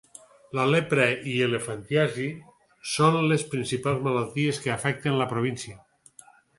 La lepra i elefantiasi són les principals malalties que afecten la província.